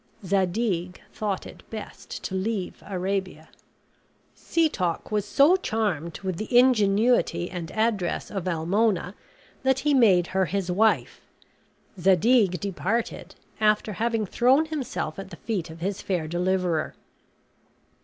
Zadig thought it best to leave Arabia. Setoc was so charmed with the ingenuity and address of Almona that he made her his wife. Zadig departed, after having thrown himself at the feet of his fair deliverer.